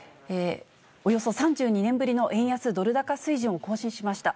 およそ３２年ぶりの円安ドル高水準を更新しました。